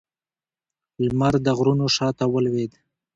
لمر د غرونو شا ته ولوېد